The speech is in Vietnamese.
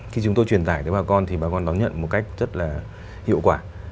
khi chúng tôi truyền tải tới bà con thì bà con đón nhận một cách rất là hiệu quả